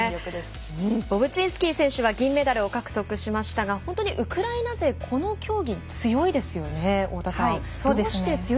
ボブチンスキー選手は銀メダルを獲得しましたがウクライナ勢この競技強いですね。